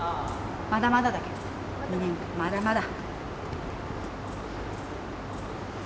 まだまだだけどね２年間まだまだ。